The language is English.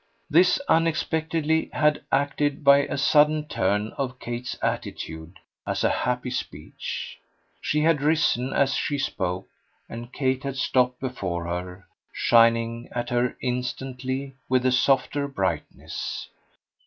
This unexpectedly had acted, by a sudden turn of Kate's attitude, as a happy speech. She had risen as she spoke, and Kate had stopped before her, shining at her instantly with a softer brightness.